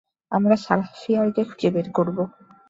আমরা সারাহ ফিয়ারকে খুঁজে বের করব!